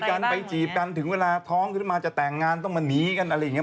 กันไปจีบกันถึงเวลาท้องขึ้นมาจะแต่งงานต้องมาหนีกันอะไรอย่างนี้